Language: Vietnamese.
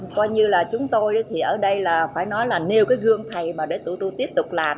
coi như là chúng tôi thì ở đây là phải nói là nêu cái gương thầy mà để tụi tôi tiếp tục làm